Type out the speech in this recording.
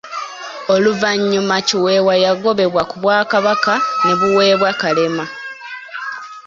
Oluvannyuma Kiweewa yagobebwa ku Bwakabaka ne buweebwa Kalema.